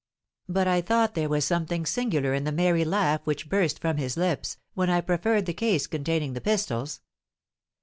But I thought there was something singular in the merry laugh which burst from his lips, when I proffered the case containing the pistols.